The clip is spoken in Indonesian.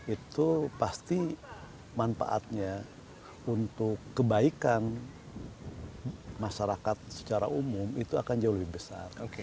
itu pasti manfaatnya untuk kebaikan masyarakat secara umum itu akan jauh lebih besar